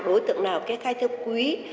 đối tượng nào kết khai theo quý